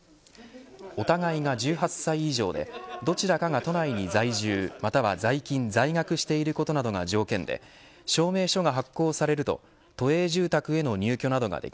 お互いが１８歳以上でどちらかが都内に在住、または在勤、在学していることなどが条件でＰａｙＰａｙクーポンで！